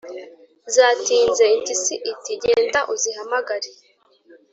zatinze.» impyisi iti «genda uzihamagare,